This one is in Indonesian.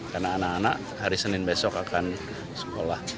karena anak anak hari senin besok akan sekolah